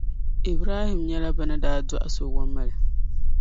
Ibrahim nyɛla bɛ ni daa dɔɣi so Wamale.